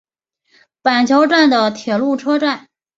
板桥站的铁路车站。